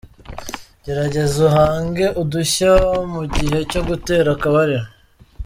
Gerageza uhange udushya mu gihe cyo gutera akabariro.